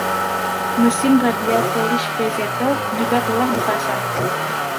Mesin radial Polish Pezetel juga telah dipasang.